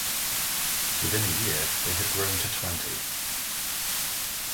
Within a year they had grown to twenty.